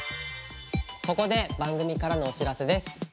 ここで番組からのお知らせです。